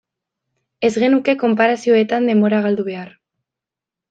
Ez genuke konparazioetan denbora galdu behar.